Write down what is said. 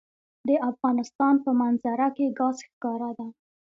د افغانستان په منظره کې ګاز ښکاره ده.